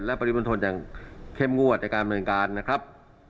และปฏิบันทนอย่างเข้มงวดในการบริหารการนะครับ